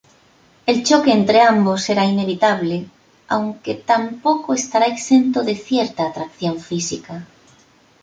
El choque entre ambos será inevitable, aunque tampoco estará exento de cierta atracción física.